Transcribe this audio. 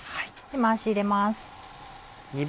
回し入れます。